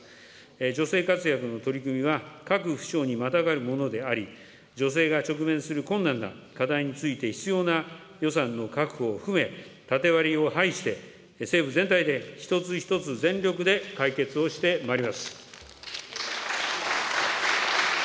女性活躍の取り組みは、各府省にまたがるものであり、女性が直面する困難な課題について必要な予算の確保を含め、縦割りを排して、政府全体で、一つ一つ全力で解決をしてまいります。